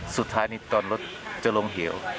สุดท้ายนี่ตอนรถจะลงเหว